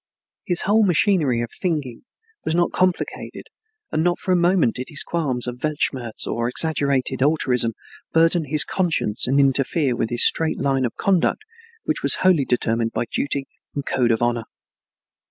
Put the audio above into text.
His whole machinery of thinking was not complicated and not for a moment did qualms of "Weltschmerz" or exaggerated altruism burden his conscience and interfere with his straight line of conduct which was wholly determined by duty and code of honor.